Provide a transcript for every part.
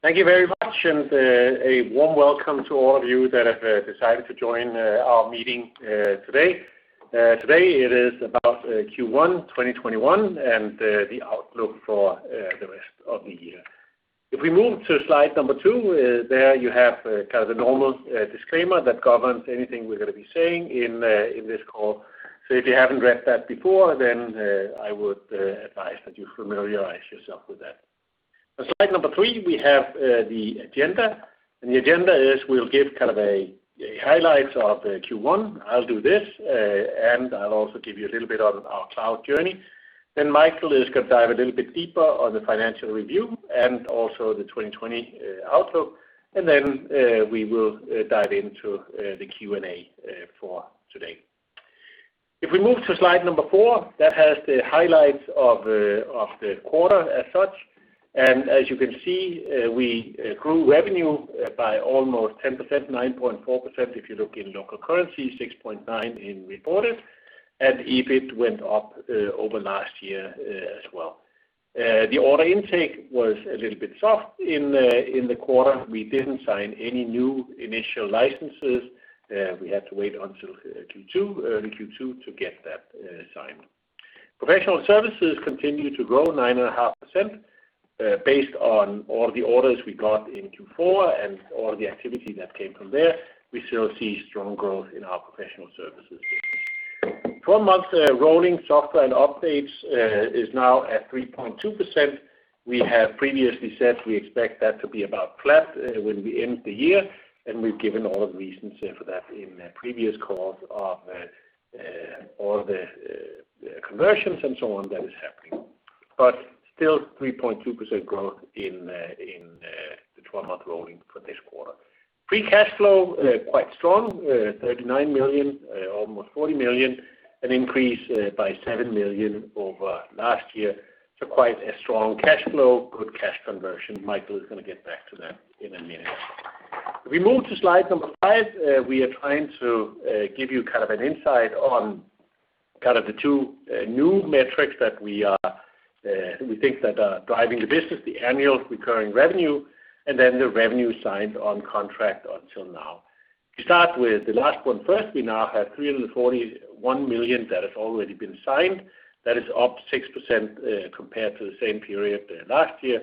Thank you very much. A warm welcome to all of you that have decided to join our meeting today. Today is about Q1 2021 and the outlook for the rest of the year. If we move to slide number two, there you have the normal disclaimer that governs anything we're going to be saying in this call. If you haven't read that before, then I would advise that you familiarize yourself with that. On slide number three, we have the agenda. The agenda is we'll give highlights of Q1. I'll do this, and I'll also give you a little bit on our cloud journey. Michael is going to dive a little bit deeper on the financial review and also the 2020 outlook. We will dive into the Q&A for today. If we move to slide number four, that has the highlights of the quarter as such. As you can see, we grew revenue by almost 10%, 9.4% if you look in local currency, 6.9% in reported, and EBIT went up over last year as well. The order intake was a little bit soft in the quarter. We didn't sign any new initial licenses. We had to wait until Q2 to get that signed. Professional services continued to grow 9.5% based on all the orders we got in Q4 and all the activity that came from there. We still see strong growth in our professional services. 12 months rolling software and updates is now at 3.2%. We have previously said we expect that to be about flat when we end the year, and we've given all the reasons for that in previous calls of all the conversions and so on that is happening. Still 3.2% growth in the 12-month rolling for this quarter. Free cash flow, quite strong, 39 million, almost 40 million, an increase by 7 million over last year. Quite a strong cash flow, good cash conversion. Michael is going to get back to that in a minute. If we move to slide number five, we are trying to give you an insight on the two new metrics that we think that are driving the business, the annual recurring revenue, and then the revenue signed on contract until now. If we start with the last one first, we now have 341 million that has already been signed. That is up 6% compared to the same period last year.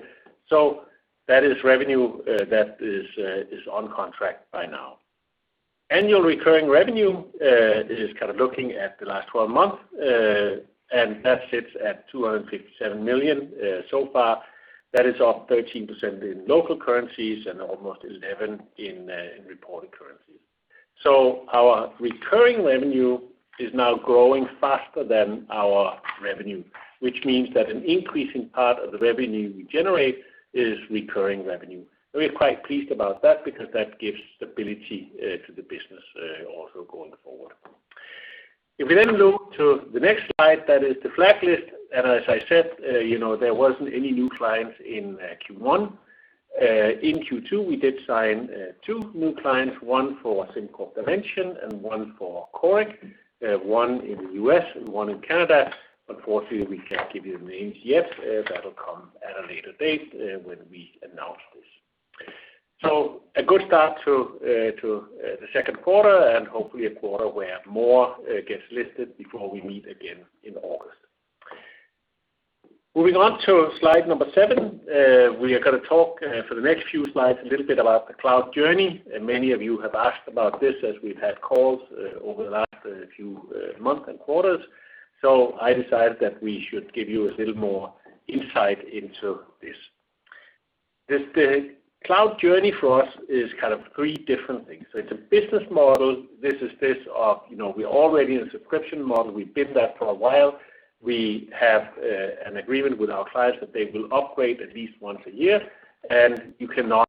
That is revenue that is on contract by now. Annual recurring revenue is looking at the last 12 months, and that sits at 257 million so far. That is up 13% in local currencies and almost 11% in reported currencies. Our recurring revenue is now growing faster than our revenue, which means that an increasing part of the revenue we generate is recurring revenue. We're quite pleased about that because that gives stability to the business also going forward. If we then move to the next slide, that is the deal list. As I said, there wasn't any new clients in Q1. In Q2, we did sign two new clients, one for SimCorp Dimension and one for Coric, one in the U.S. and one in Canada. Unfortunately, we can't give you names yet. That'll come at a later date when we announce this. A good start to the second quarter, and hopefully a quarter where more gets listed before we meet again in August. Moving on to slide number seven, we are going to talk for the next few slides a little bit about the cloud journey. Many of you have asked about this as we've had calls over the last few months and quarters. I decided that we should give you a little more insight into this. The cloud journey for us is three different things. It's a business model. This is this of we're already in a subscription model. We've been that for a while. We have an agreement with our clients that they will upgrade at least once a year, and you cannot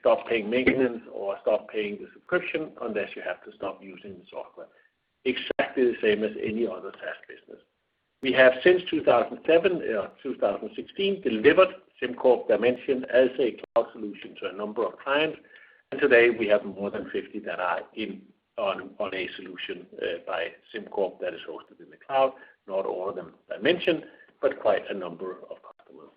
stop paying maintenance or stop paying the subscription unless you have to stop using the software. Exactly the same as any other SaaS business. We have since 2016 delivered SimCorp Dimension as a cloud solution to a number of clients, and today we have more than 50 that are on a solution by SimCorp that is hosted in the cloud, not all of them Dimension, but quite a number of customers.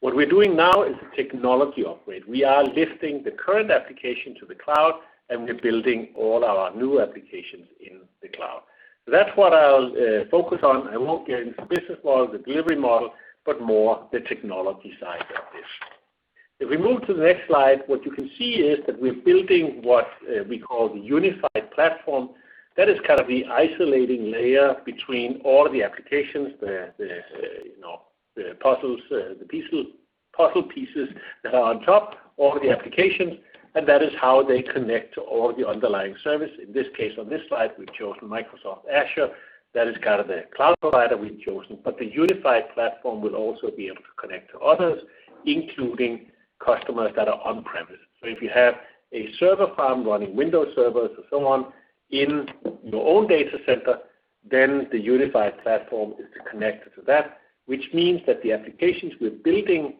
What we're doing now is a technology upgrade. We are lifting the current application to the cloud, and we're building all our new applications in the cloud. That's what I'll focus on. I won't get into the business model, the delivery model, but more the technology side of this. If we move to the next slide, what you can see is that we're building what we call the unified platform. That is the isolating layer between all the applications, the puzzle pieces that are on top, all the applications, and that is how they connect to all the underlying service. In this case, on this slide, we've chosen Microsoft Azure. That is the cloud provider we've chosen. The unified platform will also be able to connect to others, including customers that are on-premise. If you have a server farm running Windows Server or so on in your own data center, the unified platform is connected to that, which means that the applications we're building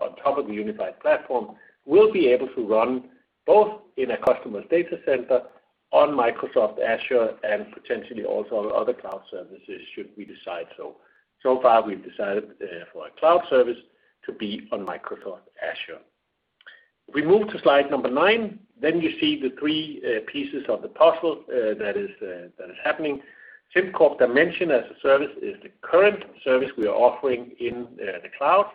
On top of the unified platform, we'll be able to run both in a customer data center on Microsoft Azure and potentially also on other cloud services should we decide so. Far, we've decided for our cloud service to be on Microsoft Azure. We move to slide number nine, you see the three pieces of the puzzle that is happening. SimCorp Dimension as a Service is the current service we are offering in the cloud,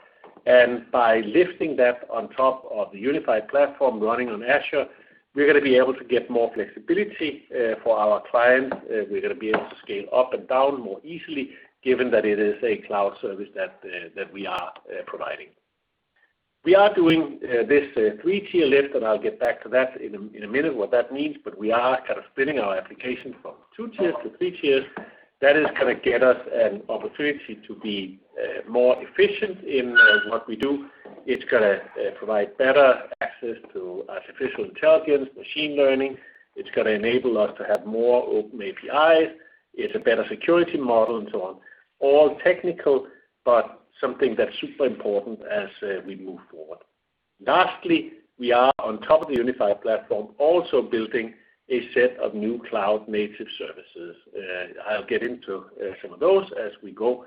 by lifting that on top of the unified platform running on Azure, we're going to be able to get more flexibility for our clients. We're going to be able to scale up and down more easily given that it is a cloud service that we are providing. We are doing this 3-tier lift, I'll get back to that in a minute, what that means. We are splitting our applications from 2-tiers to 3-tiers. That is going to get us an opportunity to be more efficient in what we do. It's going to provide better access to artificial intelligence, machine learning. It's going to enable us to have more open APIs. It's a better security model and so on. All technical, something that's super important as we move forward. Lastly, we are on top of the unified platform, also building a set of new cloud-native services. I'll get into some of those as we go.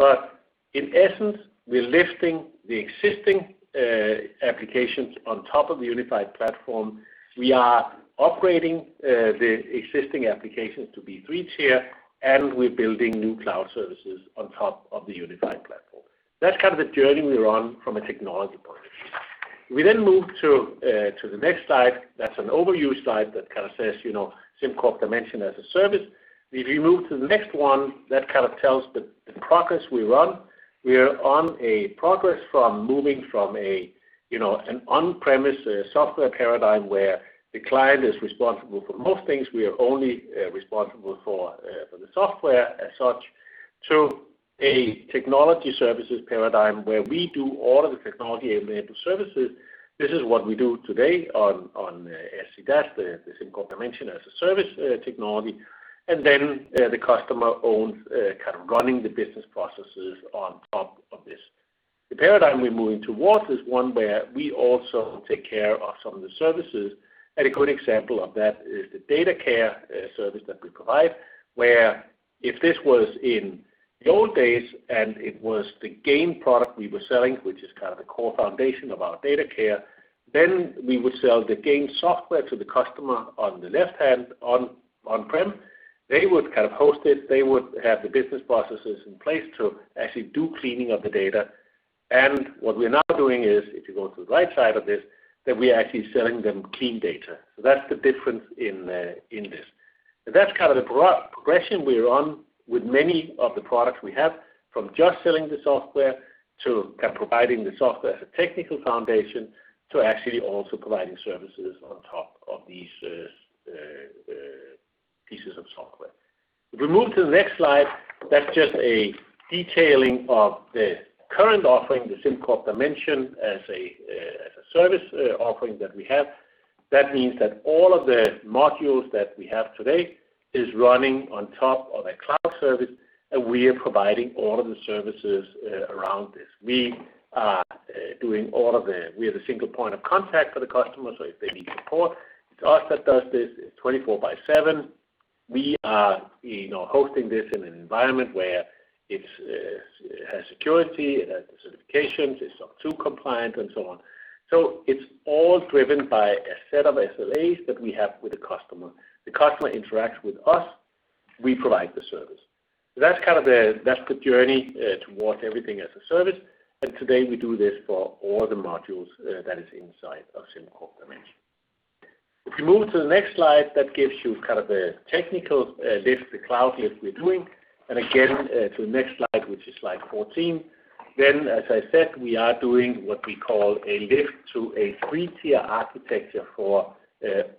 In essence, we're lifting the existing applications on top of the unified platform. We are operating the existing applications to be 3-tier, and we're building new cloud services on top of the unified platform. That's the journey we're on from a technology point of view. We move to the next slide. That's an overview slide that says, SimCorp Dimension as a Service. If you move to the next one, that tells the progress we're on. We are on a progress from moving from an on-premise software paradigm where the client is responsible for most things, we are only responsible for the software as such, to a technology services paradigm where we do all the technology-enabled services. This is what we do today on SDaaS, the SimCorp Dimension as a Service technology, and then the customer owns running the business processes on top of this. The paradigm we're moving towards is one where we also take care of some of the services, and a good example of that is the SimCorp Datacare service that we provide, where if this was in the old days and it was the SimCorp Gain product we were selling, which is the core foundation of our SimCorp Datacare, then we would sell the SimCorp Gain software to the customer on the left-hand, on-prem. They would host it, they would have the business processes in place to actually do cleaning of the data, and what we're now doing is, if you go to the right side of this, that we are actually selling them clean data. That's the difference in this. That's the progression we're on with many of the products we have from just selling the software to providing the software as a technical foundation to actually also providing services on top of these pieces of software. If we move to the next slide, that's just a detailing of the current offering, the SimCorp Dimension as a Service offering that we have. That means that all of the modules that we have today is running on top of a cloud service, and we are providing all of the services around this. We have a single point of contact for the customer. If they need support, it's us that does this. It's 24 by 7. We are hosting this in an environment where it has security, it has the certifications, it's SOC 2 compliant, and so on. It's all driven by a set of SLAs that we have with the customer. The customer interacts with us, we provide the service. That's the journey towards everything as a service, and today we do this for all the modules that is inside of SimCorp Dimension. If we move to the next slide, that gives you the technical lift, the cloud lift we're doing, and again, to the next slide, which is slide 14. As I said, we are doing what we call a lift to a 3-tier architecture for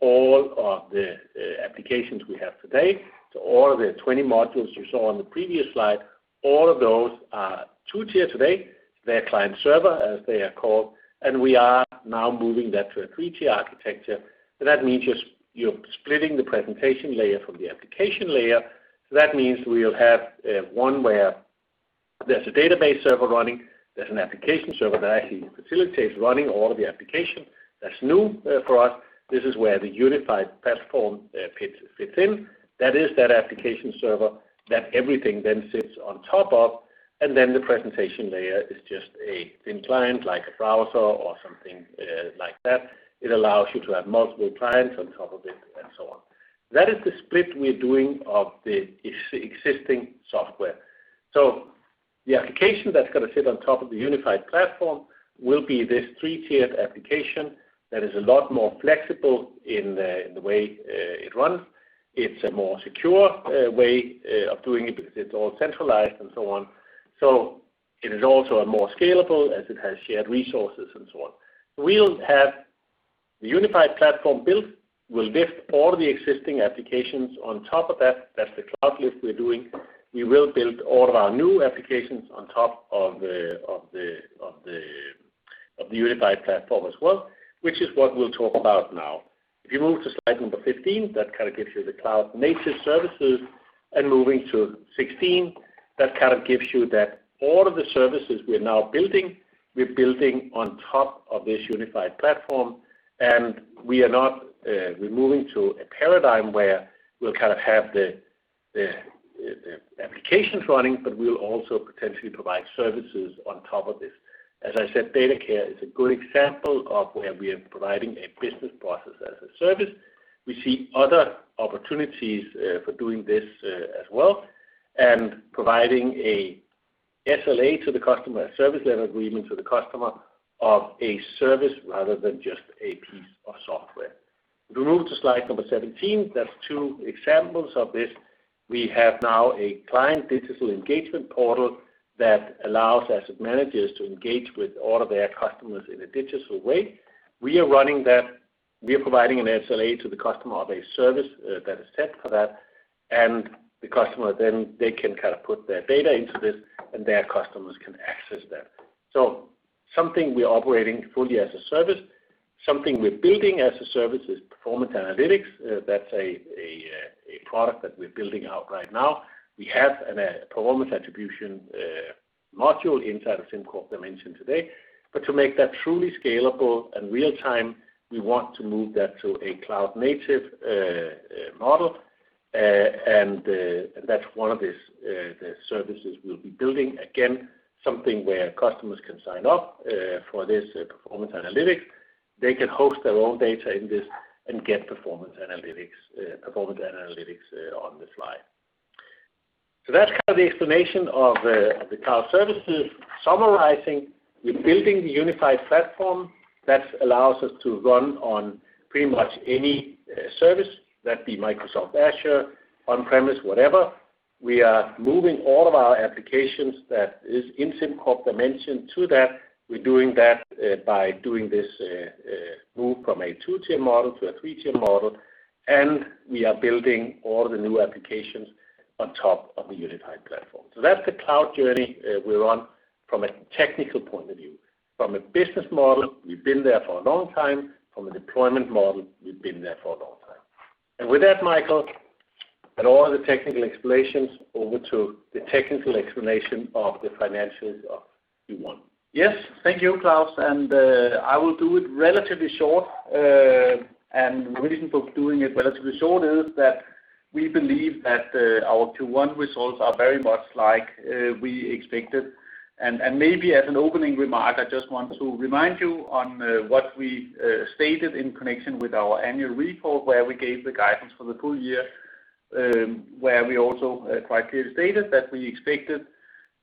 all of the applications we have today. All of the 20 modules you saw on the previous slide, all of those are 2-tier today. They're client-server, as they are called, and we are now moving that to a 3-tier architecture. That means you're splitting the presentation layer from the application layer. That means we'll have one where there's a database server running, there's an application server that actually facilitates running all the application. That's new for us. This is where the Unified Platform fits in. That is that application server that everything then sits on top of, and then the presentation layer is just a thin client, like a browser or something like that. It allows you to have multiple clients on top of it and so on. That is the split we're doing of the existing software. The application that's going to sit on top of the unified platform will be this three-tiered application that is a lot more flexible in the way it runs. It's a more secure way of doing it because it's all centralized and so on. It is also more scalable as it has shared resources and so on. We'll have the unified platform built. We'll lift all the existing applications on top of that. That's the cloud lift we're doing. We will build all our new applications on top of the unified platform as well, which is what we'll talk about now. If you move to slide number 15, that gives you the cloud-native services. Moving to 16, that gives you that all of the services we're now building, we're building on top of this unified platform, and we're moving to a paradigm where we'll have the applications running, but we'll also potentially provide services on top of this. As I said, Datacare is a good example of where we are providing a business process as a service. We see other opportunities for doing this as well, and providing a SLA to the customer, a service level agreement to the customer of a service rather than just a piece of software. If we move to slide number 17, there's two examples of this. We have now a client digital engagement portal that allows asset managers to engage with all of their customers in a digital way. We are running that. We are providing an SLA to the customer of a service that is set for that, and the customer then they can put their data into this, and their customers can access that. Something we're operating fully as a service. Something we're building as a service is performance analytics. That's a product that we're building out right now. We have a performance attribution module inside of SimCorp Dimension today. To make that truly scalable and real-time, we want to move that to a cloud-native model, and that's one of the services we'll be building. Again, something where customers can sign up for this performance analytics. They can host their own data in this and get performance analytics on the fly. That's the explanation of the cloud services. Summarizing, we're building the unified platform that allows us to run on pretty much any service, that be Microsoft Azure, on-premise, whatever. We are moving all of our applications that is in SimCorp Dimension to that. We're doing that by doing this move from a 2-tier model to a 3-tier model, and we are building all the new applications on top of a unified platform. That's the cloud journey we're on from a technical point of view. From a business model, we've been there for a long time. From a deployment model, we've been there for a long time. With that, Michael, and all the technical explanations, over to the technical explanation of the financials of Q1. Yes. Thank you, Klaus, and I will do it relatively short. The reason for doing it relatively short is that we believe that our Q1 results are very much like we expected. Maybe as an opening remark, I just want to remind you on what we stated in connection with our annual report, where we gave the guidance for the full year, where we also quite clearly stated that we expected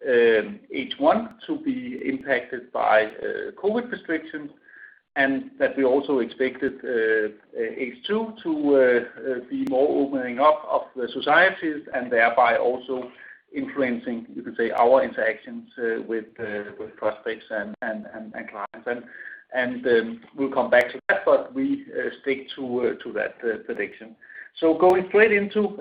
H1 to be impacted by COVID-19 restrictions, and that we also expected H2 to be more opening up of the societies and thereby also influencing, you could say, our interactions with prospects and clients. We'll come back to that, but we stick to that prediction. Going straight into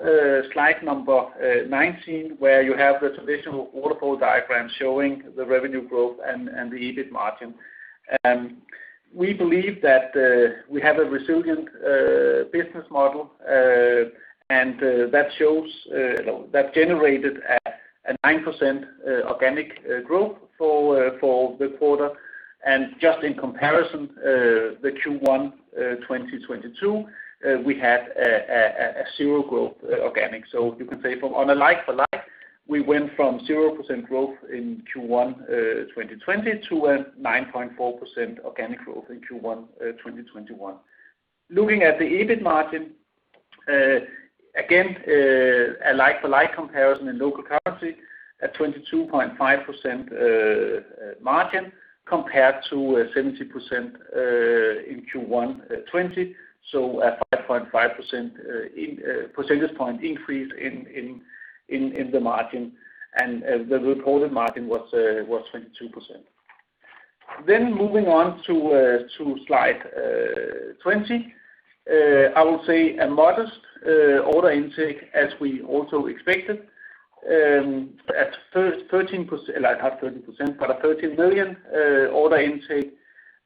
slide number 19, where you have the traditional waterfall diagram showing the revenue growth and the EBIT margin. We believe that we have a resilient business model, and that generated a 9% organic growth for the quarter. Just in comparison, the Q1 2022, we had a 0 growth organic. You could say from a like-for-like, we went from 0% growth in Q1 2020 to a 9.4% organic growth in Q1 2021. Looking at the EBIT margin, again, a like-for-like comparison in local currency, a 22.5% margin compared to 17% in Q1 2020, so a 5.5% percentage point increase in the margin, and the reported margin was 22%. Moving on to slide 20. I would say a modest order intake as we also expected at 13%, not 13%, but a 13 million order intake,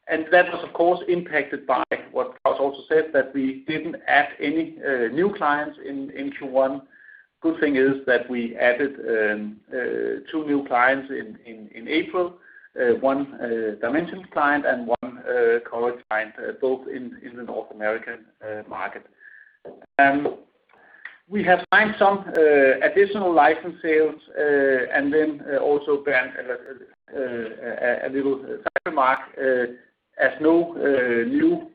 and that was of course impacted by what Klaus also said that we didn't add any new clients in Q1. Good thing is that we added two new clients in April, one Dimension client and one Coric client, both in the North American market. We have signed some additional license sales, and then also bear a little remark as no new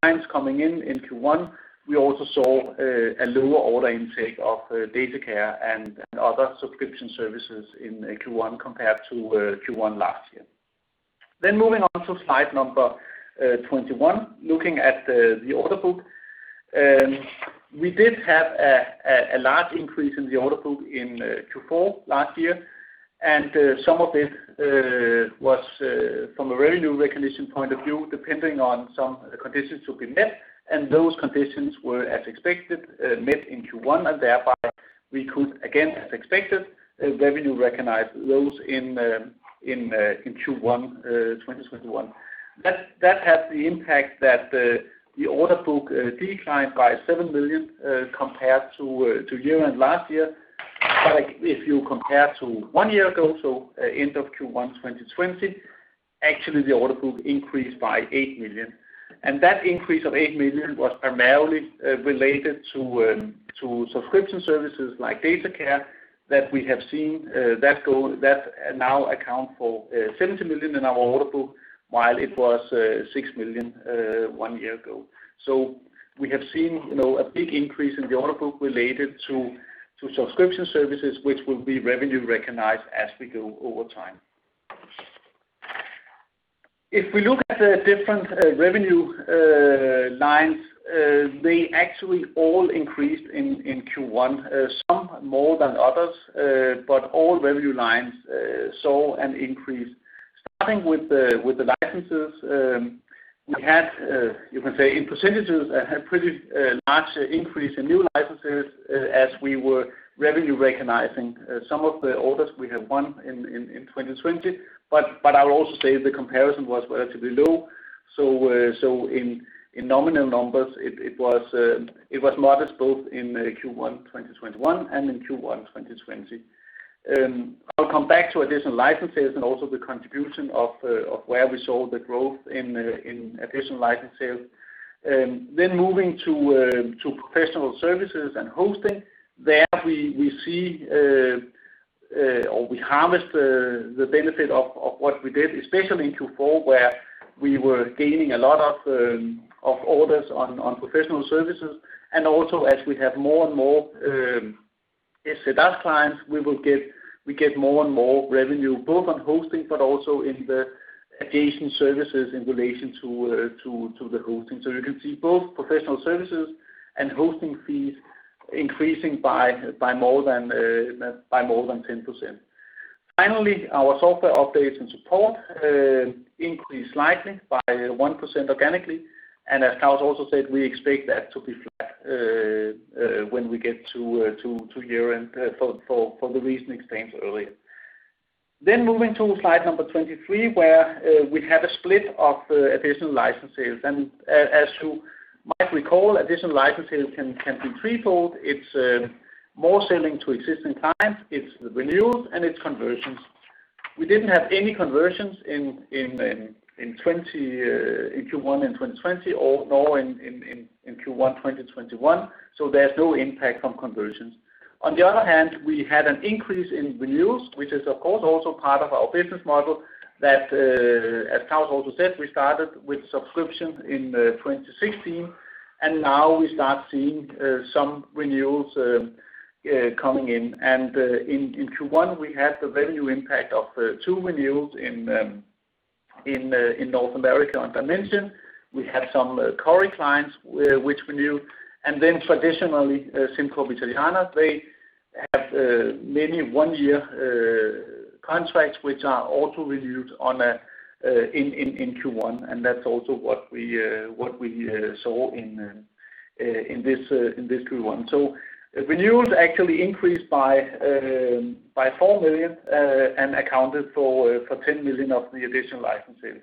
clients coming in in Q1. We also saw a lower order intake of Datacare and other subscription services in Q1 compared to Q1 last year. Moving on to slide number 21, looking at the order book. We did have a large increase in the order book in Q4 last year, and some of this was from a revenue recognition point of view, depending on some conditions to be met, and those conditions were, as expected, met in Q1 and thereby we could again, as expected, revenue recognize those in Q1 2021. That had the impact that the order book declined by 7 million compared to year-end last year. If you compare to one year ago, so end of Q1 2020, actually, the order book increased by 8 million. That increase of 8 million was primarily related to subscription services like Datacare that now account for 70 million in our order book, while it was 6 million one year ago. We have seen a big increase in the order book related to subscription services, which will be revenue recognized as we go over time. If we look at the different revenue lines, they actually all increased in Q1, some more than others, but all revenue lines saw an increase. Starting with the licenses, we had, you can say in %, a pretty large increase in new licenses as we were revenue recognizing some of the orders we had won in 2020. I'll also say the comparison was relatively low. In nominal numbers, it was modest both in Q1 2021 and in Q1 2020. I'll come back to additional license sales and also the contribution of where we saw the growth in additional license sales. Moving to professional services and hosting, there we see or we harvest the benefit of what we did, especially in Q4, where we were gaining a lot of orders on professional services. Also as we have more and more SDDF clients, we get more and more revenue both on hosting but also in the adjacent services in relation to the hosting. You can see both professional services and hosting fees increasing by more than 10%. Finally, our software updates and support increased slightly by 1% organically. As Klaus also said, we expect that to be flat when we get to year-end for the reason explained earlier. Moving to slide number 23, where we have a split of the additional license sales. As you might recall, additional license sales can be threefold. It is more selling to existing clients, it is the renewals, and it is conversions. We didn't have any conversions in Q1 2020 or now in Q1 2021, so there is no impact from conversions. On the other hand, we had an increase in renewals, which is of course also part of our business model that, as Charles also said, we started with subscriptions in 2016, and now we start seeing some renewals coming in. In Q1, we had the revenue impact of two renewals in North America on Dimension. We have some Coric clients which renew, and then traditionally, SimCorp Italiana, they have many one-year contracts which are also renewed in Q1, and that is also what we saw in this Q1. Renewals actually increased by 4 million and accounted for 10 million of the additional license sales.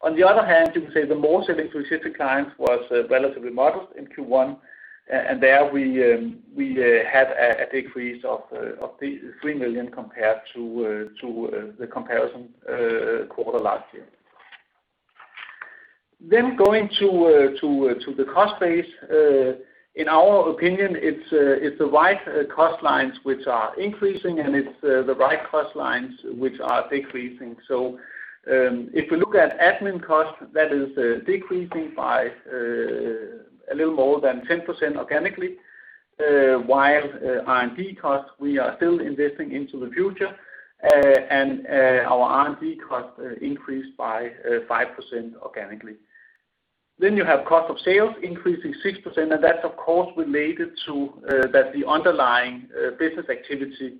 On the other hand, you could say the most existing clients was relatively modest in Q1, and there we had a decrease of 3 million compared to the comparison quarter last year. Going to the cost base. In our opinion, it's the right cost lines which are increasing, and it's the right cost lines which are decreasing. If you look at admin cost, that is decreasing by a little more than 10% organically, while R&D cost, we are still investing into the future, and our R&D cost increased by 5% organically. You have cost of sales increasing 6%, and that's of course related to that the underlying business activity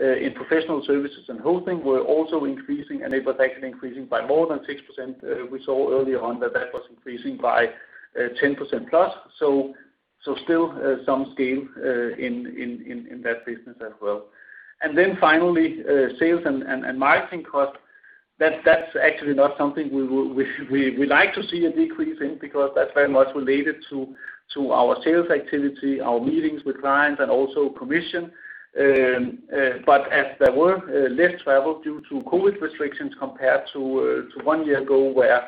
in professional services and hosting were also increasing, and it was actually increasing by more than 6%. We saw earlier on that that was increasing by 10% plus, still some scale in that business as well. Finally, sales and marketing cost. That's actually not something we like to see a decrease in because that's very much related to our sales activity, our meetings with clients, and also commission. As there were less travel due to COVID restrictions compared to one year ago where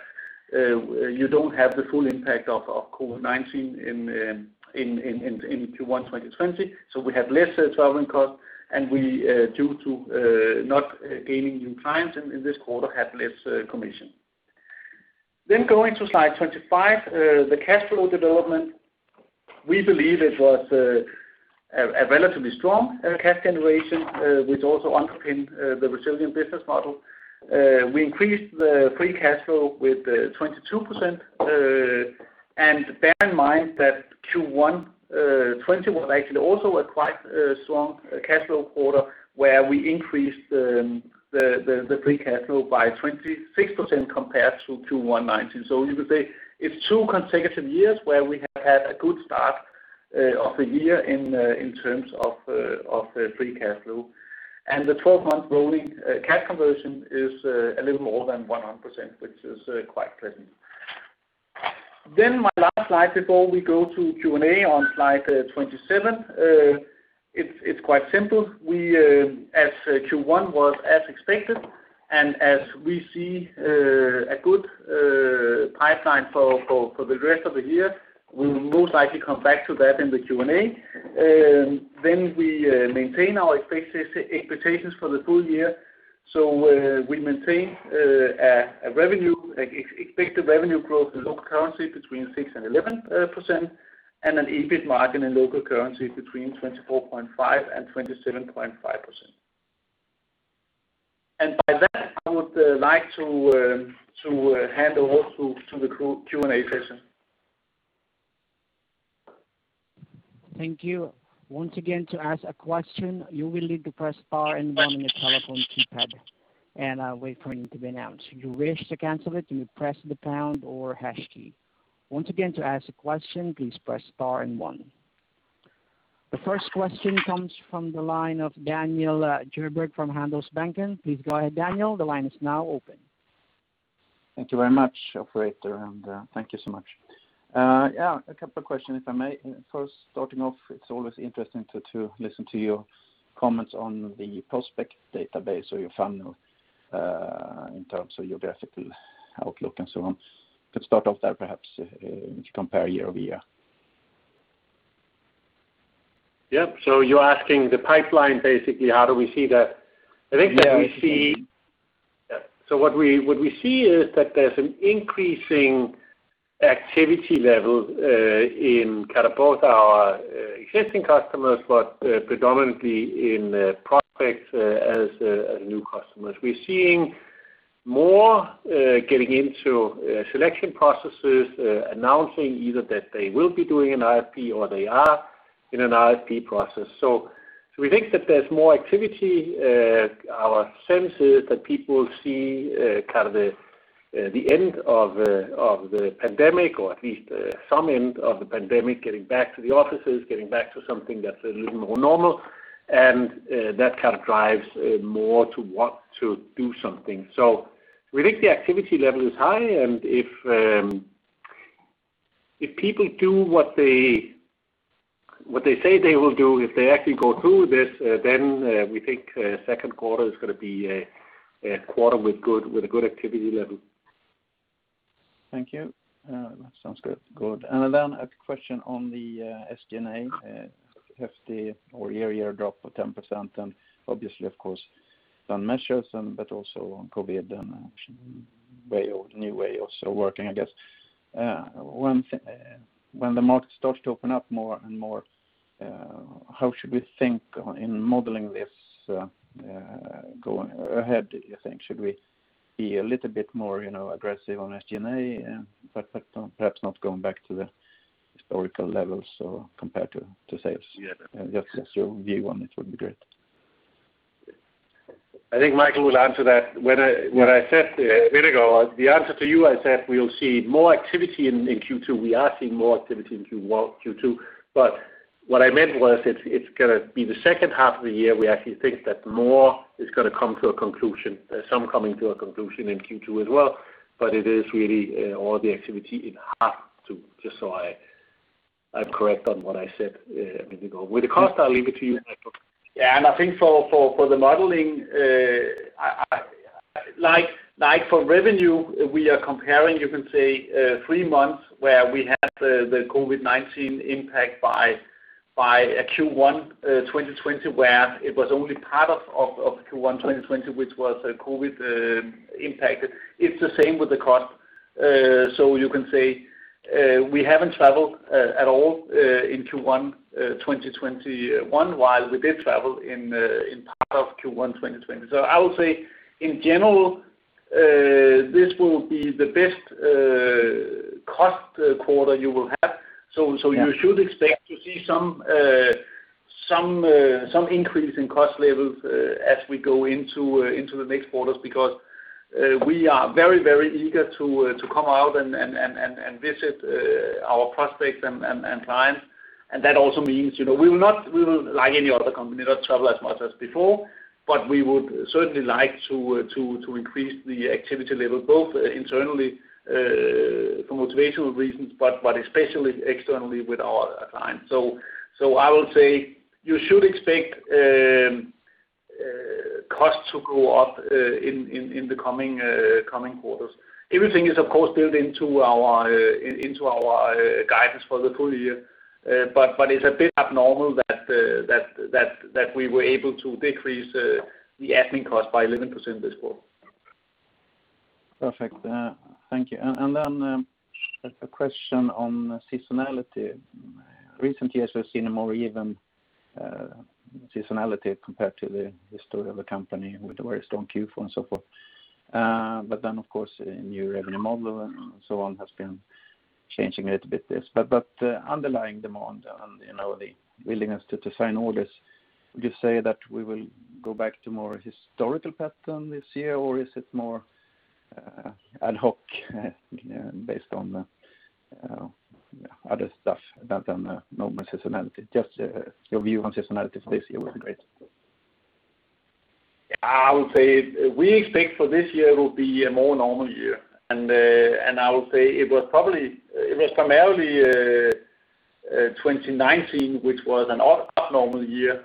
you don't have the full impact of COVID-19 in Q1 2020, we have less traveling cost, and we, due to not gaining new clients in this quarter, had less commission. Going to slide 25, the cash flow development. We believe it was a relatively strong cash generation, which also underpinned the resilient business model. We increased the free cash flow with 22%, and bear in mind that Q1 2020 was actually also a quite strong cash flow quarter where we increased the free cash flow by 26% compared to Q1 2019. You could say it's two consecutive years where we have had a good start of the year in terms of free cash flow. The 12-month rolling cash conversion is a little more than 100%, which is quite pleasant. My last slide before we go to Q&A on slide 27. It's quite simple. Q1 was as expected, and as we see a good pipeline for the rest of the year, we'll most likely come back to that in the Q&A. We maintain our expectations for the full year. We maintain expected revenue growth in local currency between 6% and 11%, and an EBIT margin in local currency between 24.5% and 27.5%. With that, I would like to hand over to the Q&A session. Thank you. Once again, to ask a question, you will need to press star and one on your telephone keypad, and I'll wait for you to be announced. If you wish to cancel it, you press the pound or hash key. Once again, to ask a question, please press star and one. The first question comes from the line of Daniel Djurberg from Handelsbanken. Go ahead, Daniel. Thank you very much, operator. Thank you so much. Yeah, a couple questions if I may. First starting off, it's always interesting to listen to your comments on the prospect database or your funnel, in terms of your graphical outlook and so on. Let's start off there, perhaps compare year-over-year. Yep. You're asking the pipeline, basically, how do we see that? I think that what we see is that there's an increasing activity level in both our existing customers, but predominantly in prospects as new customers. We're seeing more getting into selection processes, announcing either that they will be doing an RFP or they are in an RFP process. We think that there's more activity. Our sense is that people see kind of the end of the pandemic, or at least some end of the pandemic, getting back to the offices, getting back to something that's a little more normal, and that kind of drives more to want to do something. We think the activity level is high, and if people do what they say they will do, if they actually go through this, then we think second quarter is going to be a quarter with a good activity level. Thank you. That sounds good. A question on the SG&A, hefty or year-over-year drop of 10%, and obviously, of course, some measures, but also on COVID and actually a new way of working, I guess. When the market starts to open up more and more, how should we think in modeling this going ahead? Do you think should we be a little bit more aggressive on SG&A and perhaps not going back to the historical levels, so compared to sales? Just your view on it would be great. I think Michael will answer that. What I said a minute ago, the answer to you, I said we'll see more activity in Q2. We are seeing more activity in Q2, but what I meant was it's going to be the second half of the year we actually think that more is going to come to a conclusion. There's some coming to a conclusion in Q2 as well, but it is really all the activity in half, just so I correct on what I said a minute ago. With the cost, I'll leave it to you, Michael. I think for the modeling, like for revenue, we are comparing, you can say, three months where we had the COVID-19 impact by Q1 2020, where it was only part of Q1 2020 which was COVID impacted. It's the same with the cost. You can say we haven't traveled at all in Q1 2021, while we did travel in part of Q1 2020. I would say, in general, this will be the best cost quarter you will have. You should expect to see some increase in cost levels as we go into the next quarters, because we are very eager to come out and visit our prospects and clients. That also means we will not, like any other company, not travel as much as before, but we would certainly like to increase the activity level, both internally for motivational reasons, but especially externally with our clients. I would say you should expect cost to go up in the coming quarters. Everything is, of course, built into our guidance for the full year. It's a bit abnormal that we were able to decrease the admin cost by 11% this quarter. Perfect. Thank you. A question on seasonality. Recent years, we've seen a more even seasonality compared to the story of the company with a very strong Q4 and so forth. Of course, a new revenue model and so on has been changing a little bit. Underlying demand and the willingness to sign orders, would you say that we will go back to more historical pattern this year, or is it more ad hoc based on other stuff than the normal seasonality. Just your view on seasonality for this year would be great. I would say we expect for this year to be a more normal year. I would say it was primarily 2019, which was an abnormal year.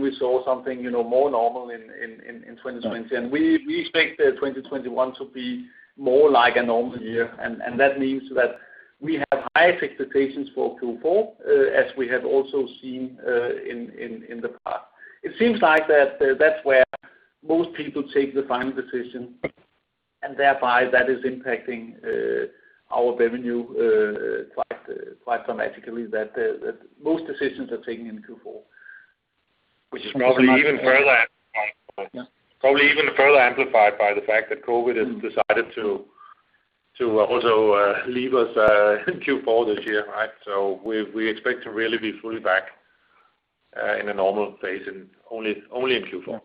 We saw something more normal in 2020. We expect that 2021 to be more like a normal year, and that means that we have high expectations for Q4, as we have also seen in the past. It seems like that's where most people take the final decision, and thereby that is impacting our revenue quite dramatically, that most decisions are taken in Q4. Which is probably even further amplified by the fact that COVID has decided to also leave us Q4 this year. We expect to really be fully back in a normal phase and only in Q4.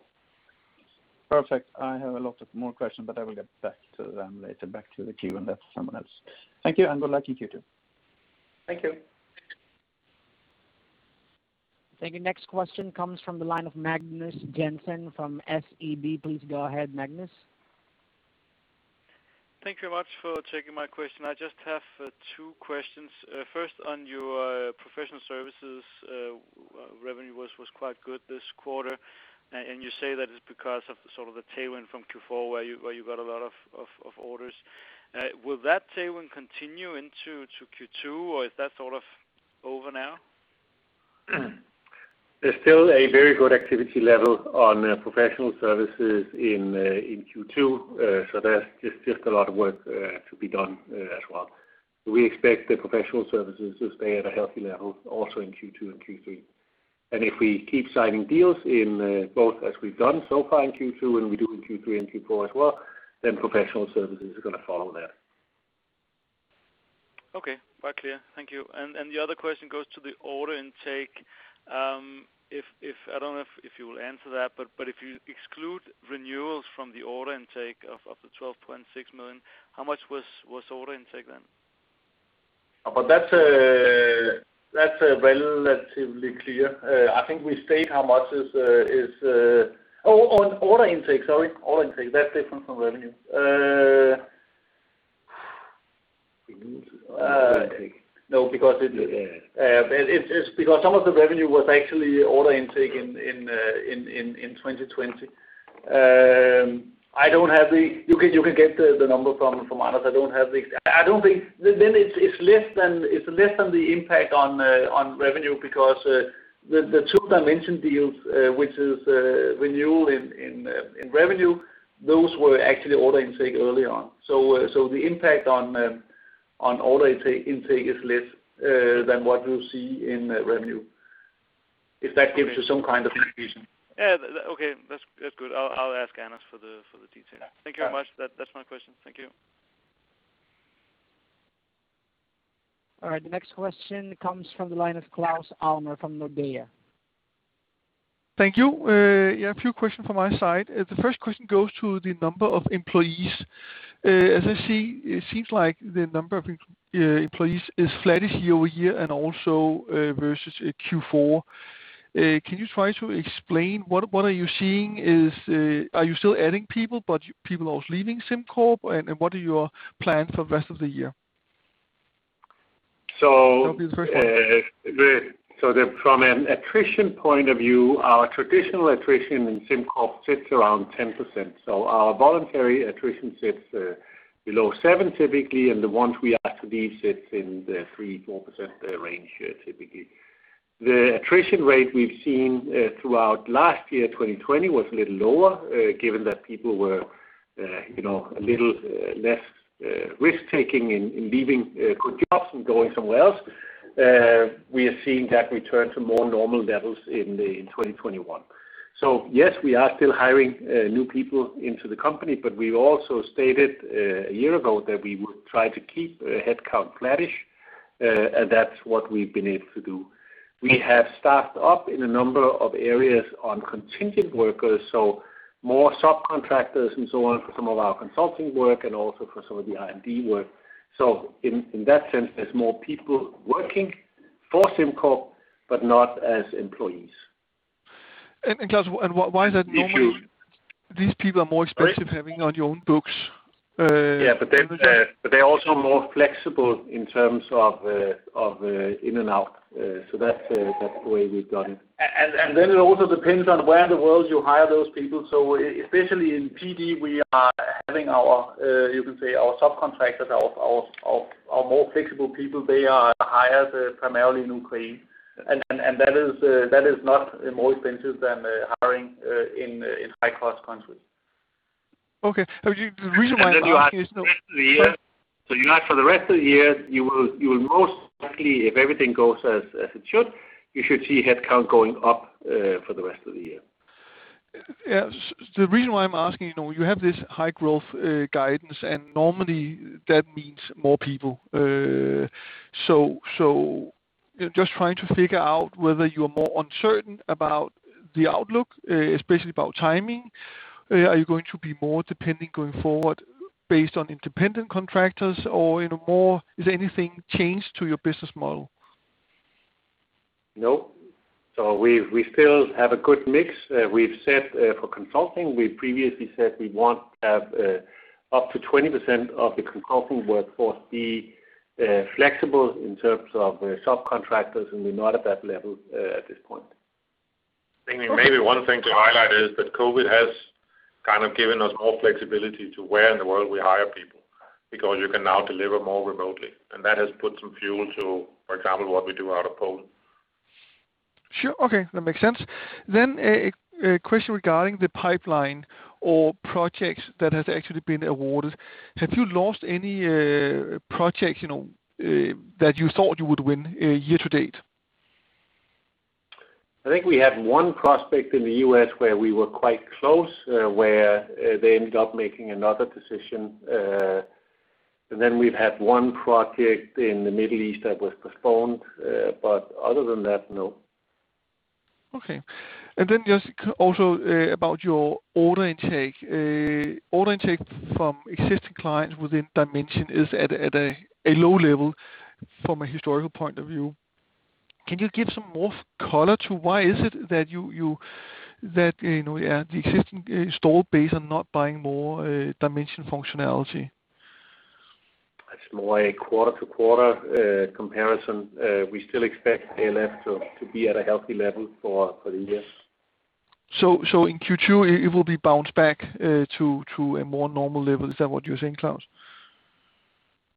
Perfect. I have a lot of more questions, but I will get back to them later, back to the queue and let someone else. Thank you, and good luck in Q2. Thank you. Thank you. Next question comes from the line of Magnus Jensen from SEB. Please go ahead, Magnus. Thank you very much for taking my question. I just have two questions. First, on your professional services revenue was quite good this quarter, and you say that it's because of the sort of the tailwind from Q4, where you got a lot of orders. Will that tailwind continue into Q2, or is that sort of over now? There's still a very good activity level on professional services in Q2. There's just a lot of work to be done as well. We expect the professional services to stay at a healthy level also in Q2 and Q3. If we keep signing deals in both, as we've done so far in Q2, and we do in Q3 and Q4 as well, professional services are going to follow that. Okay. Quite clear. Thank you. The other question goes to the order intake. I don't know if you will answer that, but if you exclude renewals from the order intake of the 12.6 million, how much was order intake then? That's relatively clear. I think we state how much on order intake. Sorry. Order intake, that's different from revenue. No, because some of the revenue was actually order intake in 2020. You can get the number from us. It's less than the impact on revenue because the two Dimension deals, which is renewal in revenue, those were actually order intake early on. The impact on order intake is less than what you'll see in revenue. If that gives you some kind of indication. Yeah. Okay. That's good. I'll ask Anders for the details. Yeah. Thank you very much. That is my question. Thank you. All right. Next question comes from the line of Klaus Almer from Nordea. Thank you. Yeah, a few questions from my side. The first question goes to the number of employees. As I see, it seems like the number of employees is flattish year-over-year and also versus Q4. Can you try to explain what are you seeing? Are you still adding people, but people are also leaving SimCorp? What are your plans for the rest of the year? So- That would be the first one. from an attrition point of view, our traditional attrition in SimCorp sits around 10%. Our voluntary attrition sits below 7% typically, and the ones we activate sits in the 3%-4% range typically. The attrition rate we've seen throughout last year, 2020, was a little lower, given that people were a little less risk-taking in leaving good jobs and going somewhere else. We are seeing that return to more normal levels in 2021. Yes, we are still hiring new people into the company, but we also stated a year ago that we would try to keep headcount flattish, and that's what we've been able to do. We have staffed up in a number of areas on contingent workers, so more subcontractors and so on for some of our consulting work and also for some of the R&D work. In that sense, there's more people working for SimCorp, but not as employees. Klaus, why is that? Normally these people are more expensive having on your own books. They're also more flexible in terms of in and out. That's the way we've done it. It also depends on where in the world you hire those people. Especially in R&D, we are having our, you can say our subcontractors, our more flexible people, they are hired primarily in Ukraine. That is not more expensive than hiring in high-cost countries. Okay. For the rest of the year, you will most likely, if everything goes as it should, you should see headcount going up for the rest of the year. Yeah. The reason why I'm asking, you have this high growth guidance, and normally that means more people. I'm just trying to figure out whether you're more uncertain about the outlook, especially about timing. Are you going to be more dependent going forward based on independent contractors, or is anything changed to your business model? No. We still have a good mix. We've said for consulting, we previously said we want to have up to 20% of the consulting workforce be flexible in terms of subcontractors, and we're not at that level at this point. Thinking maybe one thing to highlight is that COVID has kind of given us more flexibility to where in the world we hire people, because you can now deliver more remotely, and that has put some fuel to, for example, what we do out of Poland. Sure. Okay. That makes sense. A question regarding the pipeline or projects that have actually been awarded. Have you lost any project that you thought you would win year to date? I think we had one prospect in the U.S. where we were quite close, where they ended up making another decision. We've had one project in the Middle East that was postponed. Other than that, no. Okay. Just also about your order intake. Order intake from existing clients within Dimension is at a low level from a historical point of view. Can you give some more color to why is it that the existing installed base are not buying more Dimension functionality? It's more a quarter-to-quarter comparison. We still expect sales to be at a healthy level for the year. In Q2 it will be bounced back to a more normal level. Is that what you're saying, Klaus?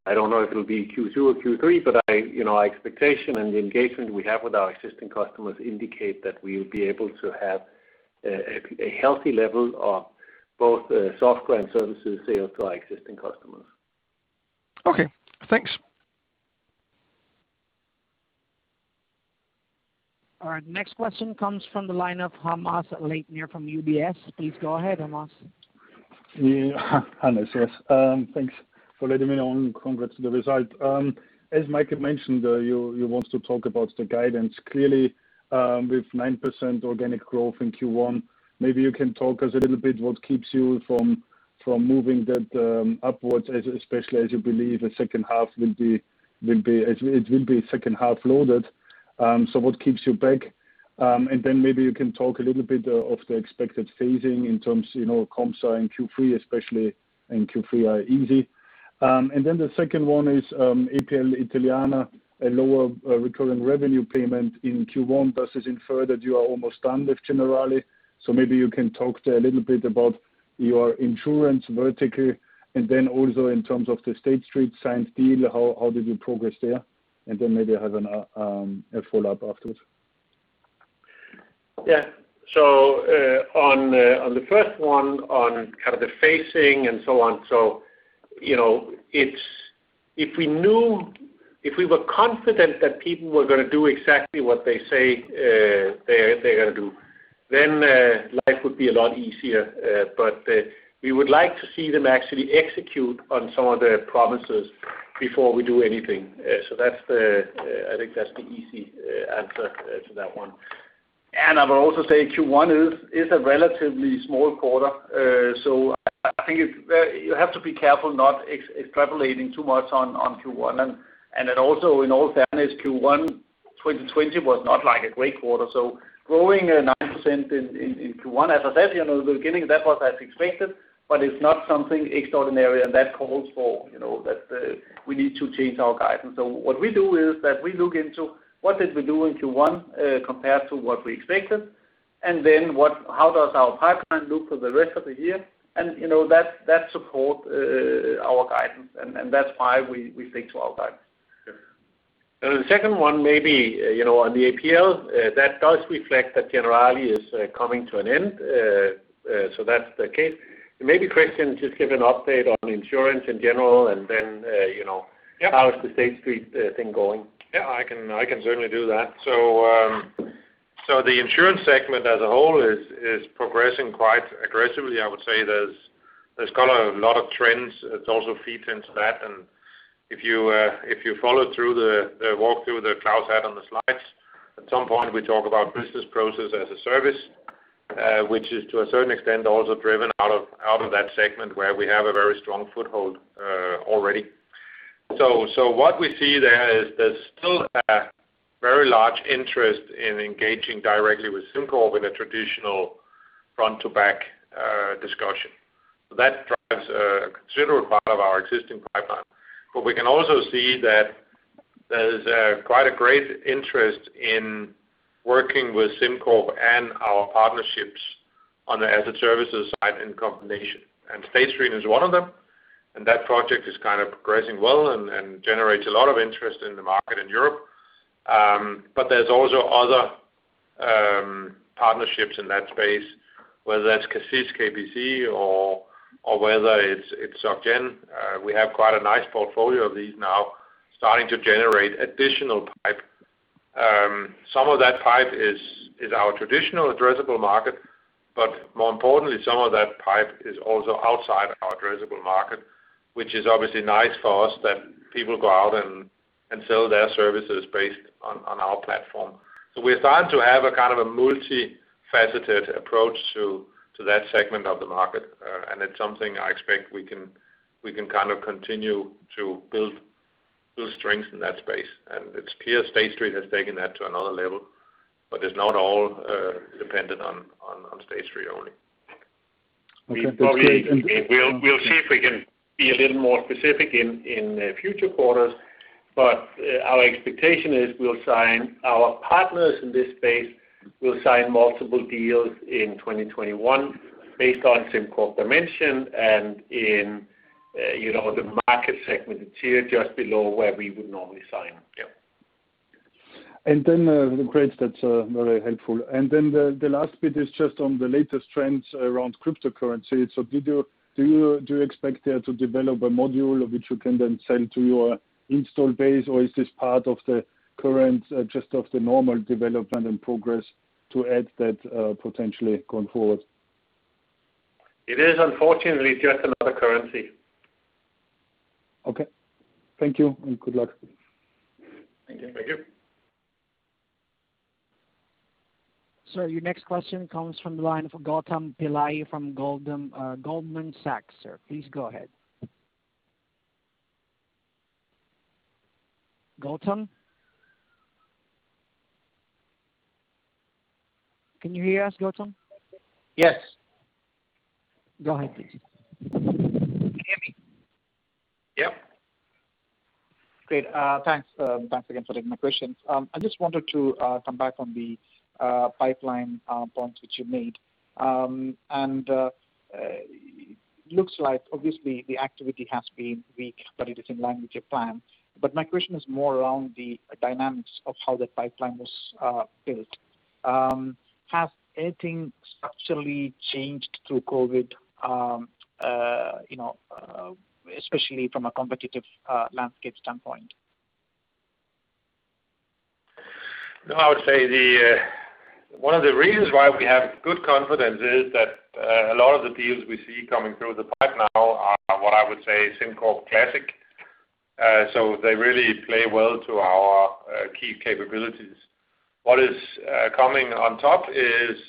I don't know if it'll be Q2 or Q3, but our expectation and the engagement we have with our existing customers indicate that we'll be able to have a healthy level of both software and services sales to our existing customers. Okay, thanks. All right. Next question comes from the line of Hannes Leitner from UBS. Please go ahead, Hannes. Hannes, thanks for letting me on. Congrats on the result. As Michael mentioned, he wants to talk about the guidance. With 9% organic growth in Q1, maybe you can talk us a little bit what keeps you from moving that upwards, especially as you believe the second half will be second half loaded. What keeps you back? Maybe you can talk a little bit of the expected phasing in terms Coric in Q3 especially, and Q3 are easy. The second one is APL Italiana, a lower recurring revenue payment in Q1 versus inferred that you are almost done with Generali. Maybe you can talk a little bit about your insurance vertically, and then also in terms of the State Street signed deal, how does it progress there? Maybe I have a follow-up after. Yeah. On the first one, on kind of the phasing and so on. If we were confident that people were going to do exactly what they say they're going to do, then life would be a lot easier. We would like to see them actually execute on some of their promises before we do anything. I think that's the easy answer to that one. I would also say Q1 is a relatively small quarter. I think you have to be careful not extrapolating too much on Q1. Also, in all fairness, Q1 2020 was not like a great quarter. Growing at 9% in Q1, as I said, in the beginning, that was as expected, but it's not something extraordinary, and that calls for that we need to change our guidance. What we do is that we look into what did we do in Q1 compared to what we expected, and then how does our pipeline look for the rest of the year? That supports our guidance, and that's why we stick to our guidance. The second one, maybe on the APL, that does reflect that Generali is coming to an end. That's the case. Maybe, Christian, just give an update on insurance in general, and then. Yeah How is the State Street thing going? I can certainly do that. The insurance segment as a whole is progressing quite aggressively. I would say there's kind of a lot of trends that also feed into that. If you follow through the walkthrough that Klaus had on the slides, at some point, we talk about business process as a service, which is to a certain extent, also driven out of that segment where we have a very strong foothold already. What we see there is there's still a very large interest in engaging directly with SimCorp in a traditional front-to-back discussion. That drives a considerable part of our existing pipeline. We can also see that there's quite a great interest in working with SimCorp and our partnerships on the asset services side in combination. State Street is one of them, and that project is kind of progressing well and generates a lot of interest in the market in Europe. There's also other partnerships in that space, whether that's CACEIS KPC or whether it's SocGen. We have quite a nice portfolio of these now starting to generate additional pipe. Some of that pipe is our traditional addressable market. More importantly, some of that pipe is also outside our addressable market, which is obviously nice for us that people go out and sell their services based on our platform. We're starting to have a kind of a multi-faceted approach to that segment of the market, and it's something I expect we can continue to build strength in that space. It's clear State Street has taken that to another level, but it's not all dependent on Space3 only. Okay. We'll see if we can be a little more specific in future quarters. Our expectation is our partners in this space will sign multiple deals in 2021 based on SimCorp Dimension and in the market segment tier just below where we would normally sign. Yeah. Great. That's very helpful. The last bit is just on the latest trends around cryptocurrency. Do you expect there to develop a module which you can then sell to your install base? Or is this part of the current, just of the normal development and progress to add that potentially going forward? It is unfortunately just another currency. Okay. Thank you, and good luck. Thank you. Sir, your next question comes from the line from Gautam Pillai from Goldman Sachs, sir. Please go ahead. Gautam? Can you hear us, Gautam? Yes. Go ahead, please. Yep. Great. Thanks again for taking my questions. I just wanted to come back on the pipeline points that you made. It looks like obviously the activity has been very different than what you planned. My question is more around the dynamics of how the pipeline was built. Has anything structurally changed through COVID, especially from a competitive landscape standpoint? No. I would say one of the reasons why we have good confidence is that a lot of the deals we see coming through the pipe now are what I would say SimCorp classic. They really play well to our key capabilities. What is coming on top is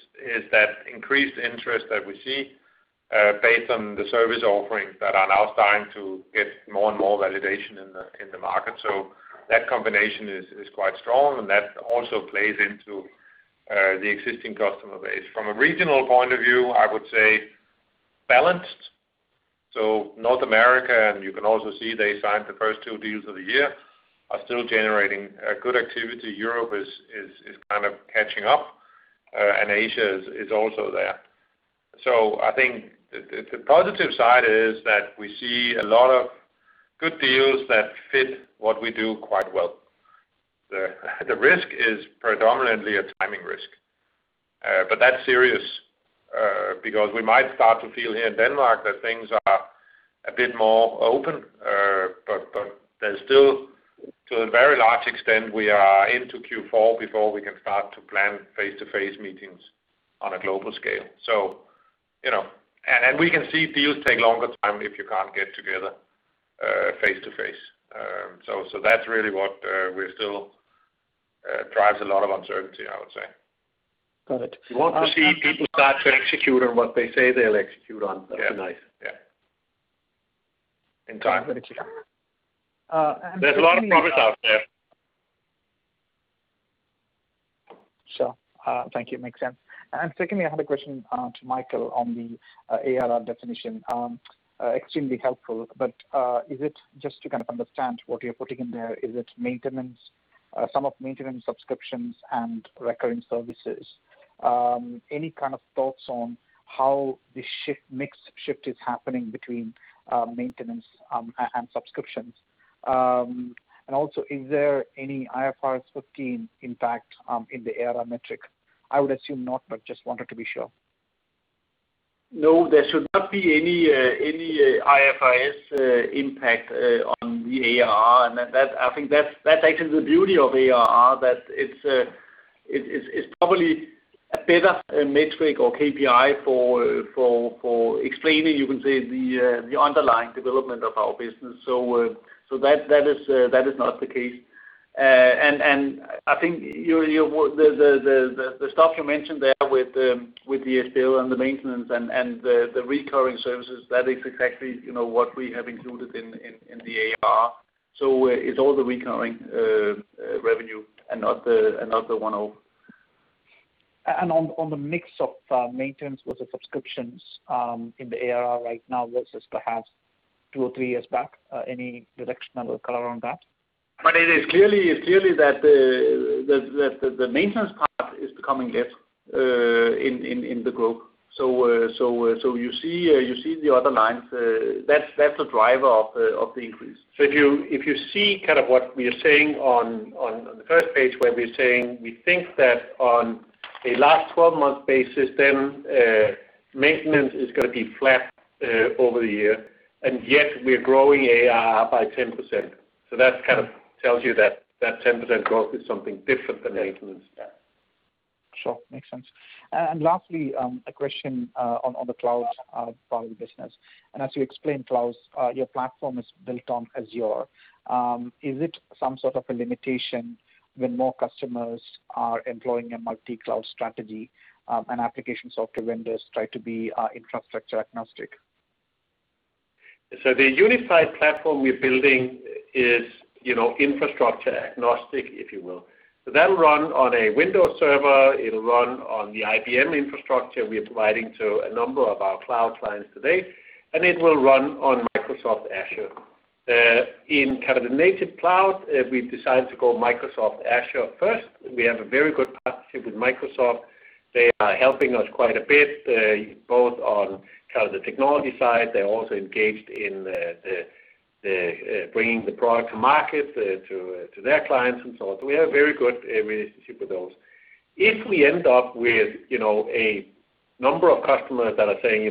that increased interest that we see based on the service offerings that are now starting to get more and more validation in the market. That combination is quite strong, and that also plays into the existing customer base. From a regional point of view, I would say balanced. North America, and you can also see they signed the first two deals of the year, are still generating good activity. Europe is kind of catching up, and Asia is also there. I think the positive side is that we see a lot of good deals that fit what we do quite well. The risk is predominantly a timing risk. That's serious because we might start to feel here in Denmark that things are a bit more open. There's still, to a very large extent, we are into Q4 before we can start to plan face-to-face meetings on a global scale. We can see deals take longer time if you can't get together face-to-face. That's really what still drives a lot of uncertainty, I would say. Got it. We want to see people start to execute on what they say they'll execute on. That's nice. Yeah. In time. There's a lot of products out there. Sure. Thank you. Makes sense. Secondly, I had a question to Michael on the ARR definition. Extremely helpful, but is it just to kind of understand what you're putting in there, is it some of maintenance subscriptions and recurring services? Any kind of thoughts on how this mix shift is happening between maintenance and subscriptions? Also, is there any IFRS 15 impact in the ARR metric? I would assume not, but just wanted to be sure. No, there should not be any IFRS impact on the ARR. I think that's actually the beauty of ARR, that it's probably a better metric or KPI for explaining, you can say, the underlying development of our business. That is not the case. I think the stuff you mentioned there with the ARR and the maintenance and the recurring services, that is exactly what we have included in the ARR. It's all the recurring revenue and not the one-off. On the mix of maintenance with the subscriptions in the ARR right now versus perhaps two or three years back, any directional color on that? It is clearly that the maintenance part is becoming it in the book. You see the other lines. That's a driver of the increase. If you see kind of what we are saying on the first page, where we're saying we think that on a last 12-month basis, then maintenance is going to be flat over the year, and yet we are growing ARR by 10%. That kind of tells you that 10% growth is something different than eight and six. Sure. Makes sense. Lastly, a question on the cloud part of the business. As you explained to us, your platform is built on Azure. Is it some sort of a limitation when more customers are employing a multi-cloud strategy, and application software vendors try to be infrastructure-agnostic? The unified platform we're building is infrastructure-agnostic, if you will. That'll run on a Windows Server, it'll run on the IBM infrastructure we're providing to a number of our cloud clients today, and it will run on Microsoft Azure. In kind of the native cloud, we've decided to go Microsoft Azure first. We have a very good partnership with Microsoft. They are helping us quite a bit, both on the technology side. They're also engaged in bringing the product to market to their clients and so on. We have a very good relationship with those. If we end up with a number of customers that are saying,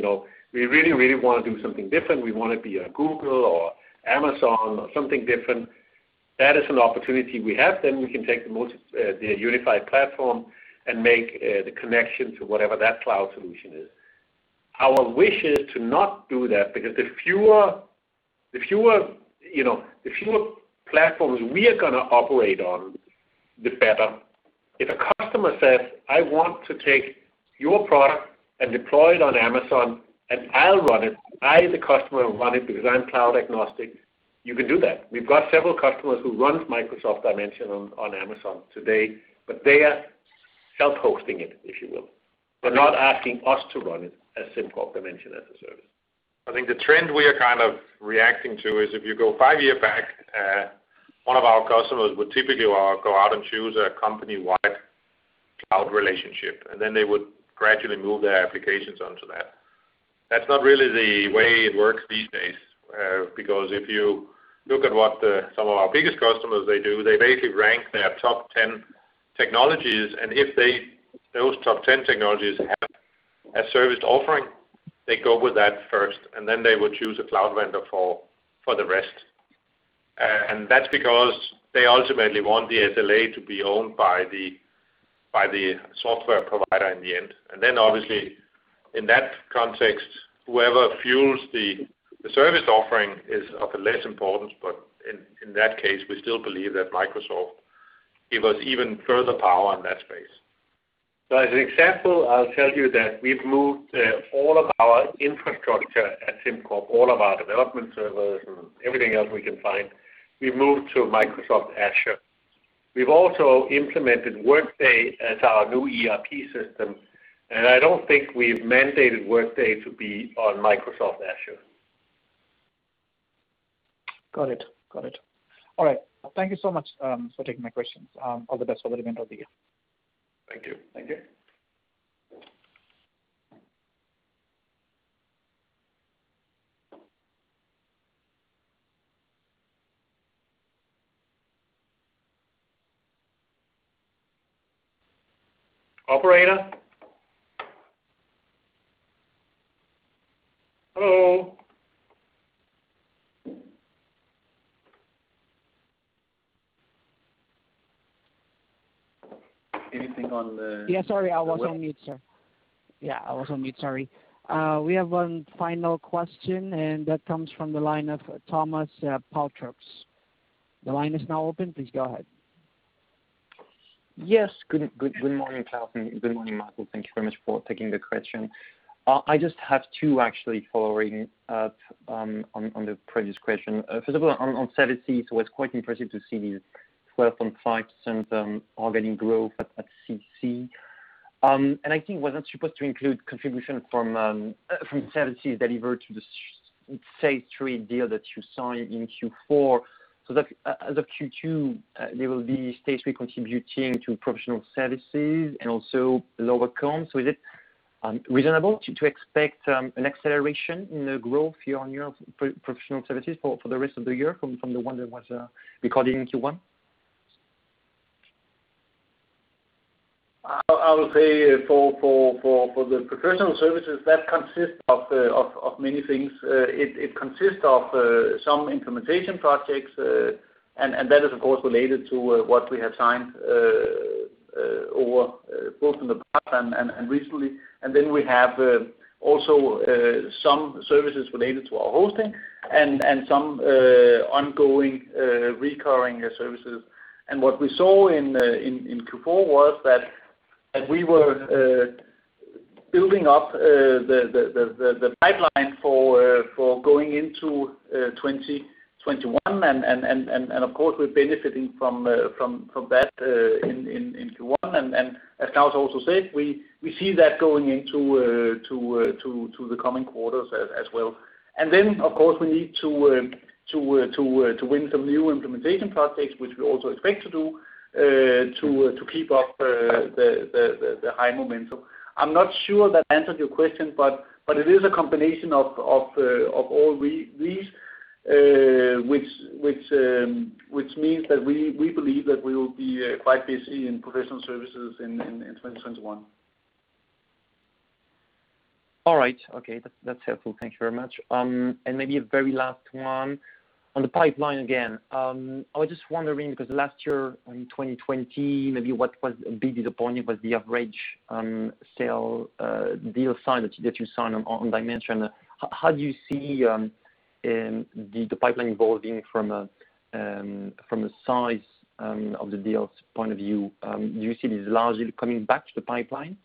"We really want to do something different. We want to be on Google or Amazon or something different," that is an opportunity we have, then we can take the unified platform and make the connection to whatever that cloud solution is. Our wish is to not do that because the fewer platforms we are going to operate on, the better. If a customer says, "I want to take your product and deploy it on Amazon, and I'll run it. I, the customer, will run it because I'm cloud-agnostic," you can do that. We've got several customers who run SimCorp Dimension on Amazon today, but they are self-hosting it, if you will. They're not asking us to run it as SimCorp Dimension as a Service. I think the trend we are kind of reacting to is if you go five years back, one of our customers would typically go out and choose a company-wide cloud relationship, and then they would gradually move their applications onto that. That's not really the way it works these days because if you look at what some of our biggest customers do, they basically rank their top 10 technologies, and if those top 10 technologies have a service offering, they go with that first, and then they would choose a cloud vendor for the rest. That's because they ultimately want the SLA to be owned by the software provider in the end. Then, obviously, in that context, whoever fuels the service offering is of less importance. In that case, we still believe that Microsoft give us even further power in that space. As an example, I'll tell you that we've moved all of our infrastructure at SimCorp, all of our development servers and everything else we can find, we've moved to Microsoft Azure. We've also implemented Workday as our new ERP system. I don't think we've mandated Workday to be on Microsoft Azure. Got it. All right. Thank you so much for taking my questions. All the best for the remainder of the year. Thank you. Operator? Hello? Yeah, sorry, I was on mute, sir. Yeah, I was on mute, sorry. We have one final question, and that comes from the line of Thomas Paltrops. The line is now open. Please go ahead. Yes. Good morning, Klaus, good morning, Michael. Thank you very much for taking the question. I just have two, actually, following up on the previous question. First of all, on Services, it was quite impressive to see the 12.5% organic growth at CC. I think was that supposed to include contribution from Services delivered to the stage 3 deal that you signed in Q4? As of Q2, there will be stage 3 contributing to Professional Services and also lower comps. Is it reasonable to expect an acceleration in the growth year-on-year for Professional Services for the rest of the year from the one that was recorded in Q1? I would say for the Professional Services, that consists of many things. It consists of some implementation projects, that is, of course, related to what we have signed both in the past and recently. We have also some services related to our hosting and some ongoing recurring services. What we saw in Q4 was that we were building up the pipeline for going into 2021, of course, we're benefiting from that in Q1. As Klaus also said, we see that going into the coming quarters as well. Of course, we need to win some new implementation projects, which we also expect to do to keep up the high momentum. I'm not sure that answers your question, but it is a combination of all these, which means that we believe that we will be quite busy in Professional Services in 2021. All right. Okay. That's helpful. Thank you very much. Maybe a very last one on the pipeline again. I was just wondering, because last year in 2020, maybe what was the average sale deal size that you signed on Dimension? How do you see the pipeline evolving from a size of the deals point of view? Do you see these larger deals coming back to the pipeline?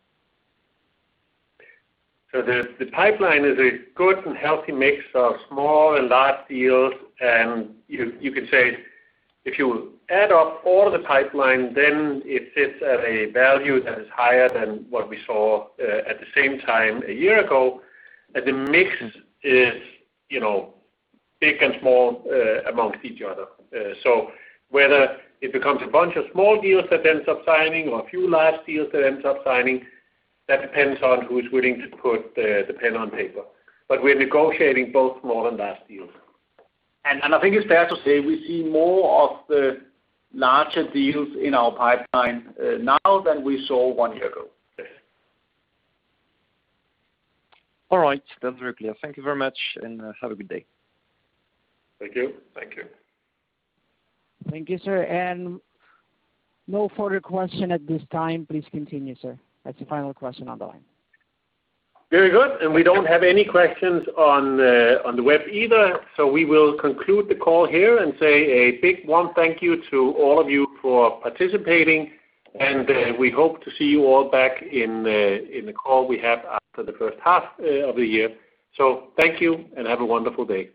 The pipeline is a good and healthy mix of small and large deals, and you could say if you add up all the pipeline, then it sits at a value that is higher than what we saw at the same time a year ago. The mix is big and small amongst each other. Whether it becomes a bunch of small deals that end up signing or a few large deals that end up signing, that depends on who's willing to put the pen on paper. We're negotiating both small and large deals. I think it's fair to say we see more of the larger deals in our pipeline now than we saw one year ago. All right. That's very clear. Thank you very much, and have a good day. Thank you. Thank you, sir. No further question at this time. Please continue, sir. That's the final question on the line. Very good. We don't have any questions on the web either. We will conclude the call here and say a big warm thank you to all of you for participating. We hope to see you all back in the call we have after the first half of the year. Thank you and have a wonderful day.